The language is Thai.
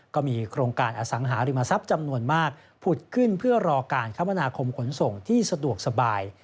ก็มีโครงการอสังหาริมทรัพย์จำนวนมากผุดขึ้นเพื่อรอการคมนาคมขนส่งที่สะดวกสบาย